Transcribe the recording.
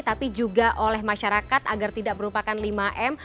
tapi juga oleh masyarakat agar tidak merupakan lima m